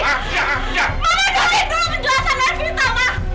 mama doakan dulu penjelasan evita ma